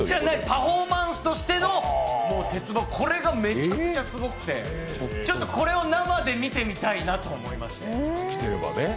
パフォーマンスとしての鉄棒、これがめちゃくちゃすごくてちょっとこれを生で見てみたいなと思いまして。